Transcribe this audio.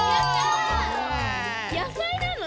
野菜なの？